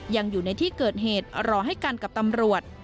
ยังอยู่ในที่เกิดเหตุรอให้กันกับตำรวจ